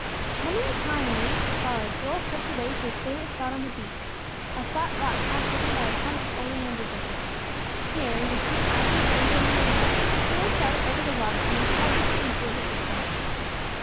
Many a time in the weeks that followed, Joel slipped away to his favorite spot on the beech, a flat rock half hidden by a clump of oleander bushes. Here, with his feet idly dangling in the ripples, he looked out over the water, and recalled the scenes he had witnessed there.